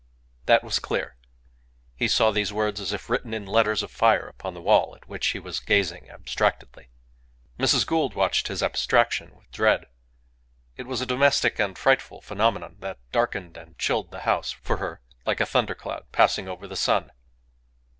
..." That was clear. He saw these words as if written in letters of fire upon the wall at which he was gazing abstractedly. Mrs Gould watched his abstraction with dread. It was a domestic and frightful phenomenon that darkened and chilled the house for her like a thundercloud passing over the sun.